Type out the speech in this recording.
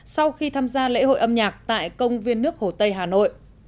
sau khi tham gia lễ hội âm nhạc tại công viên nước hồ tây hà nội